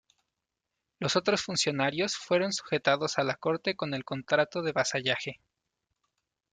Los otros funcionarios fueron sujetados a la corte con el contrato de vasallaje.